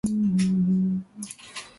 家庭常備物品清單